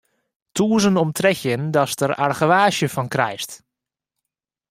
Tûzen om trettjin datst der argewaasje fan krijst.